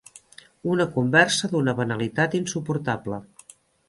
Una conversa d'una banalitat insuportable.